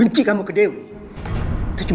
aku akan mencari cherry